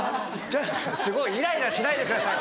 すごいイライラしないでください。